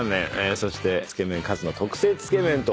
そして「つけ麺和」の特製つけ麺と。